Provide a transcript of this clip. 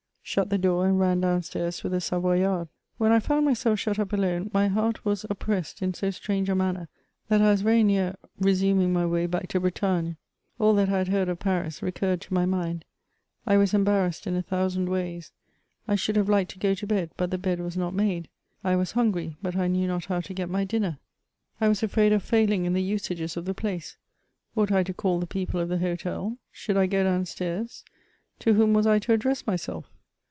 Ant the door, and ran down stairs with the Savoyard. When I found myself shut up alone, my heart was oppressed in 86 stTtt^e a manner that I was very near resumibg my way back to Bretagne, All that I had heard of Pari^ t^dlrred to my mind ; I was embarrassed in a thousand ways. i should have liked to go to bed, but the bed wa» Aot made ; i was hungry, but I knew not how to get my dinner. I wisa 152 MEMOIRS OF afraid of failing in the usages of the place ; ought I to call the people of the hotel ? Should I go down stairs ? To whom was J to address myself?